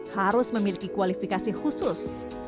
harus memiliki kualifikasi khusus